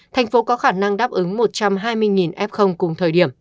thành phố có khả năng đáp ứng một trăm hai mươi